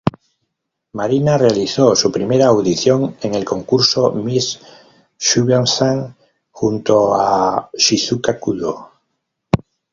Marina realizó su primera audición en el concurso Miss Seventeen, junto a Shizuka Kudo.